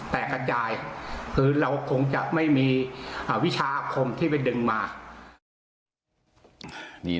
แตกอาจยายคือเราคงจะไม่มีอ่าวิชาคมที่ไปดึงมานี่